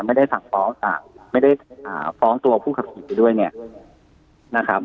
ไม่ได้สั่งฟ้องต่างไม่ได้อ่าฟ้องตัวผู้ขับขี่ด้วยเนี้ยนะครับอ่า